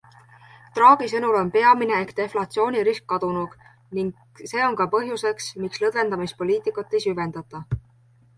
Draghi sõnul on peamine ehk deflatsioonirisk kadunud ning see on ka põhjuseks miks lõdvendamispoliitikat ei süvendata.